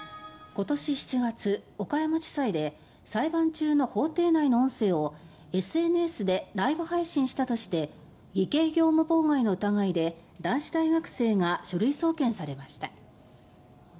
今年７月、岡山地裁で裁判中の法廷内の音声をＳＮＳでライブ配信したとして偽計業務妨害の疑いで男子大学生が書類送検されました。